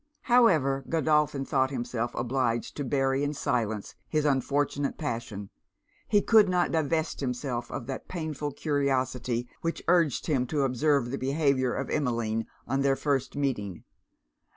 However Godolphin thought himself obliged to bury in silence his unfortunate passion, he could not divest himself of that painful curiosity which urged him to observe the behaviour of Emmeline on their first meeting.